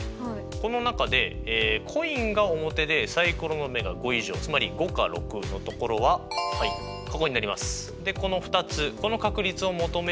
この中でコインが表でサイコロの目が５以上つまり５か６のところはここになります。